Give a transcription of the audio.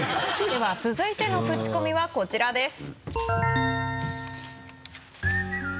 では続いてのクチコミはこちらです。